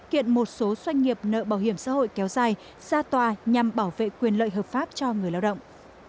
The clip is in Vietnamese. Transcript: kiện một số doanh nghiệp nợ bảo hiểm xã hội kéo dài ra tòa nhằm bảo vệ quyền lợi hợp pháp cho người lao động